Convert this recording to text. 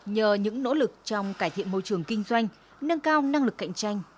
nhờ những nỗ lực trong cải thiện môi trường kinh doanh nâng cao năng lực cạnh tranh